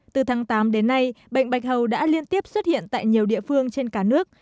từ tháng tám đến nay bệnh bạch hầu đã liên tiếp xuất hiện tại nhiều địa phương trên cả nước